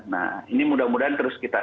nah ini mudah mudahan terus kita